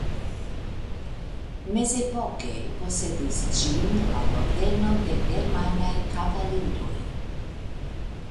Mezepoke posedis ĝin la Ordeno de germanaj kavaliroj.